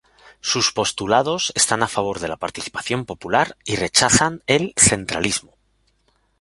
Sus postulados están a favor de la participación popular y rechazan el centralismo.